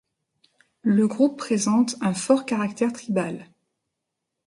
Le groupe présente un fort caractère tribal.